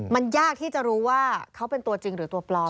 มันยากที่จะรู้ว่าเขาเป็นตัวจริงหรือตัวปลอม